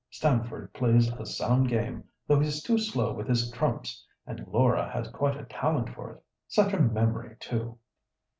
Stamford plays a sound game, though he's too slow with his trumps; and Laura has quite a talent for it—such a memory too!"